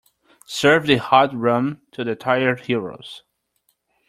Serve the hot rum to the tired heroes.